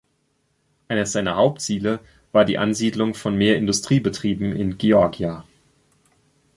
Eines seiner Hauptziele war die Ansiedlung von mehr Industriebetrieben in Georgia.